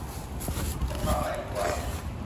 ส้มตำไหลบัว